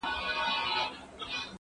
ملګري هم سر نه خلاصوي